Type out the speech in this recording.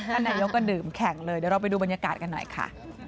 ท่านนายกก็ดื่มแข่งเลยเดี๋ยวเราไปดูบรรยากาศกันหน่อยค่ะ